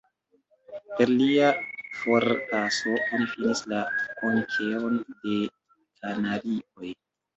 Per lia forpaso, oni finis la Konkeron de Kanarioj.